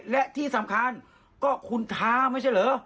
และที่สำคัญก็คุณท้าไม่ใช่เหรอ